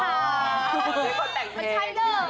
วันนี้ควรแต่งเพลง